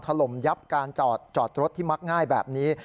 ถล่มยับการจอดรถที่มักง่ายแบบนี้